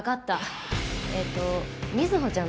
えっと瑞穂ちゃんだっけ？